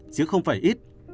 chứ không phải ít